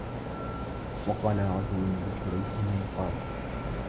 وَقَالَ رَجُلٌ لِشُرَيْحٍ الْقَاضِي